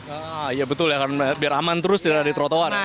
ah iya betul ya biar aman terus di trotoar